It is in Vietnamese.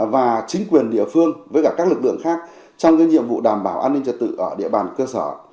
và chính quyền địa phương với các lực lượng khác trong nhiệm vụ đảm bảo an ninh trật tự ở địa bàn cơ sở